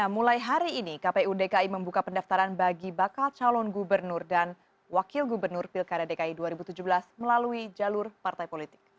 mulai hari ini kpu dki membuka pendaftaran bagi bakal calon gubernur dan wakil gubernur pilkada dki dua ribu tujuh belas melalui jalur partai politik